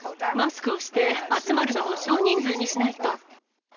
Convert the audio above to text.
マスクをして集まるのも少人数にしないと。